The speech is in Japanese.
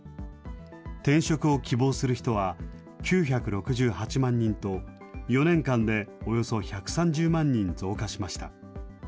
転職を希望する人は９６８万人と、４年間でおよそ１３０万人増加しました。